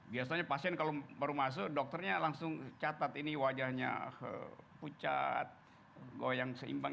biasanya pasien kalau baru masuk dokternya langsung catat ini wajahnya pucat goyang seimbang